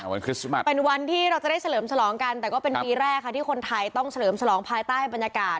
คริสต์มัสเป็นวันที่เราจะได้เฉลิมฉลองกันแต่ก็เป็นปีแรกค่ะที่คนไทยต้องเฉลิมฉลองภายใต้บรรยากาศ